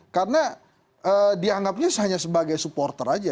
karena dianggapnya hanya sebagai supporter aja